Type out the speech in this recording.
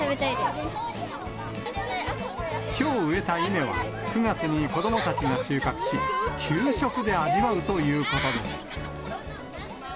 きょう植えたイネは、９月に子どもたちが収穫し、給食で味わうということです。